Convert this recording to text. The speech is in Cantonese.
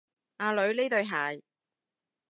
阿女，呢對鞋